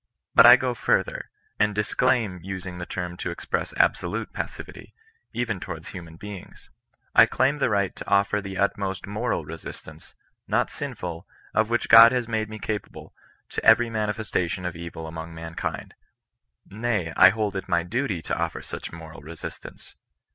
But I go further, and disclaim using the term to express absolute passivity, even towards human beings. I claim the right to offer the utmost Trwral resistance, not sinful, of which God has made me capable, to every manifesta tion of evil among mankind. Nay, I hold it my duty to offer such moral resistance.